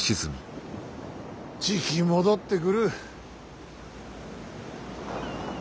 じき戻ってくる。